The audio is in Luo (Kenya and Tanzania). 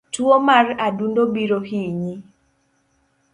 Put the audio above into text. Tuo mar adundo biro hinyi